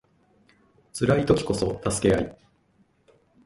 辛い時こそ助け合い